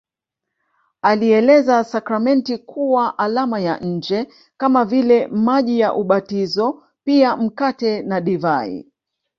Alieleza sakramenti kuwa alama ya nje kama vile maji ya ubatizopia mkate nadivai